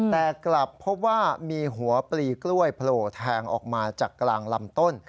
แต่กลับพบว่ามีหัวปลีกล้วยโผล่แทงออกมาจากกลางลำต้น